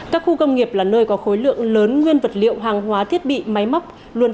các khu công nghiệp là nơi có khối lượng lớn nguyên vật liệu hàng hóa thiết bị máy móc luôn